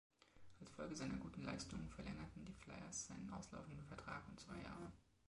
Als Folge seiner guten Leistungen verlängerten die Flyers seinen auslaufenden Vertrag um zwei Jahre.